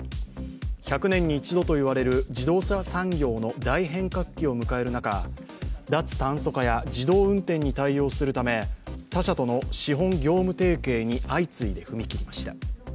１００年に一度といわれる自動車産業の大変革期を迎える中脱炭素化や自動運転に対応するため他社との資本・業務提携に相次いで踏み切りました。